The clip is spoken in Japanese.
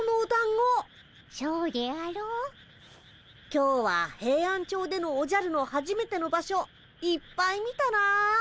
今日はヘイアンチョウでのおじゃるのはじめての場所いっぱい見たなあ。